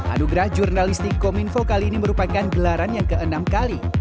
anugerah jurnalistik kominfo kali ini merupakan gelaran yang ke enam kali